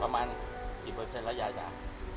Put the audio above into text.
ประมาณกี่เปอร์เซ็นต์ระยะยาว